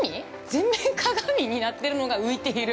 全面鏡になってるのが浮いている。